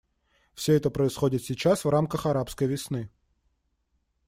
Все это происходит сейчас в рамках «арабской весны».